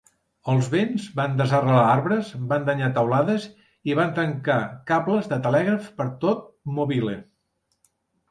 Els vents van desarrelar arbres, van danyar teulades i van trencar cables de telègraf per tot Mobile.